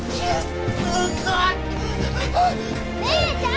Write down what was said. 姉ちゃん